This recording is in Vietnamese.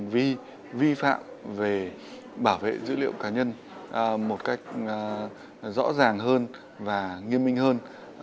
vì vi phạm về bảo vệ dữ liệu cá nhân một cách rõ ràng hơn và nghiêm minh hơn